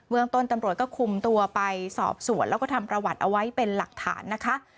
เมืองต้นตำรวจก็คุมตัวไปสอบสวนแล้วก็ทำประวัติเอาไว้เป็นหลักฐานนะคะ